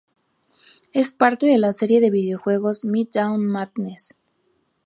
Es parte de la serie de videojuegos "Midtown Madness".